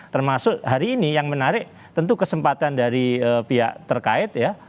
termasuk hari ini yang menarik tentu kesempatan dari pihak terkait ya